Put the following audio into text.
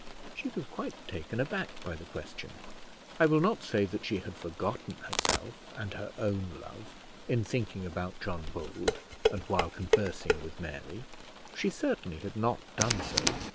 She was quite taken aback by the question. I will not say that she had forgotten herself, and her own love in thinking about John Bold, and while conversing with Mary: she certainly had not done so.